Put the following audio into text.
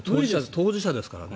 当事者ですから。